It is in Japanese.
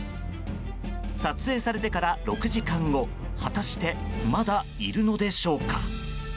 撮影されてから６時間後果たしてまだいるのでしょうか。